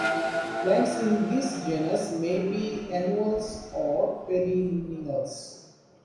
Plants in this genus may be annuals or perennials.